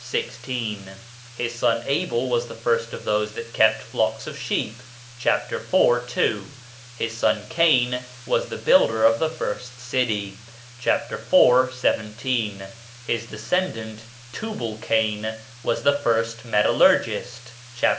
16); his son Abel was the first of those that kept flocks of sheep (chap. iv., 2); his son Cain was the builder of the first city (chap. iv., 17); his descendant, Tubal cain, was the first metallurgist (chap.